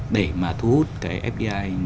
để mà thu hút fdi